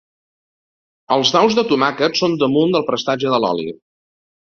Els daus de tomàquet són damunt del prestatge de l'oli.